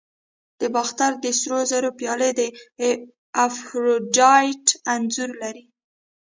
د باختر د سرو زرو پیالې د افروډایټ انځور لري